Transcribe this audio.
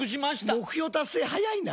目標達成早いな！